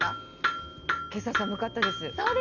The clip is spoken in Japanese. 今朝、寒かったです。